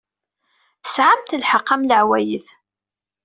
Tesɛamt lḥeqq, am leɛwayed.